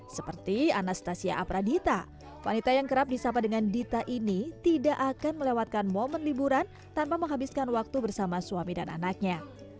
seperti anastasia apradita wanita yang kerap disapa dengan dita ini tidak akan melewatkan momen liburan tanpa menghabiskan waktu bersama suami dan anaknya